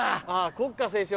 国歌斉唱？